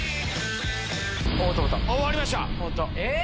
終わりました。